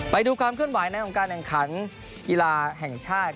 ไปดูความเคลื่อนไหวในของการแข่งขันกีฬาแห่งชาติ